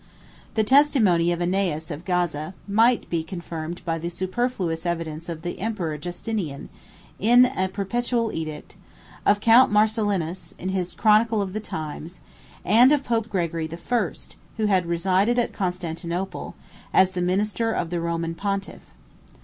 124 The testimony of Aeneas of Gaza might be confirmed by the superfluous evidence of the emperor Justinian, in a perpetual edict; of Count Marcellinus, in his Chronicle of the times; and of Pope Gregory the First, who had resided at Constantinople, as the minister of the Roman pontiff.